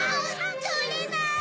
とれない！